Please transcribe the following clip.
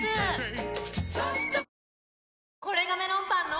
ペイトクこれがメロンパンの！